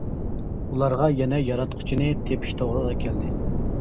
ئۇلارغا يەنە ياراتقۇچىنى تېپىش توغرا كەلدى.